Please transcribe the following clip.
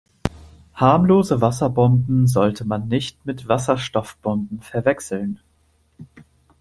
Harmlose Wasserbomben sollte man nicht mit Wasserstoffbomben verwechseln.